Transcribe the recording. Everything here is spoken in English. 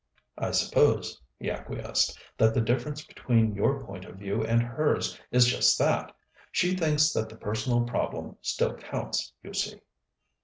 "I suppose," he acquiesced, "that the difference between your point of view and hers is just that. She thinks that the personal problem still counts, you see."